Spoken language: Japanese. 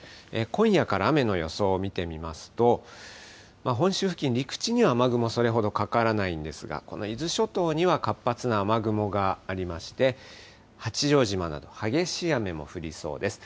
今夜から雨の予想を見てみますと、本州付近、陸地には雨雲、それほどかからないんですが、この伊豆諸島には活発な雨雲がありまして、八丈島など激しい雨も降りそうです。